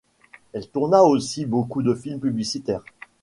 Elle tourna aussi beaucoup de films publicitaire.